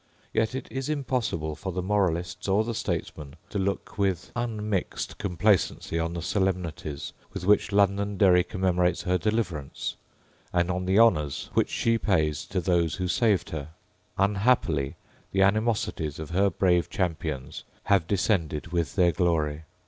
Yet it is impossible for the moralist or the statesman to look with unmixed complacency on the solemnities with which Londonderry commemorates her deliverance, and on the honours which she pays to those who saved her. Unhappily the animosities of her brave champions have descended with their glory.